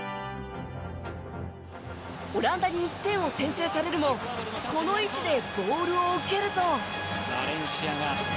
オランダに１点を先制されるもこの位置でボールを受けると。